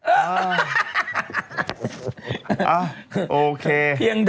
เออเออเออ